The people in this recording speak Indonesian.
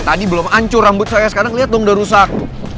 tadi belum hancur rambut saya sekarang lihat dong udah rusak